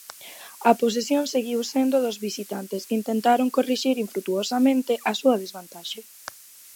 A posesión seguiu sendo dos visitantes, que intentaron corrixir infrutuosamente a súa desvantaxe.